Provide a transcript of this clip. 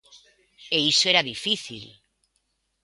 E iso era difícil.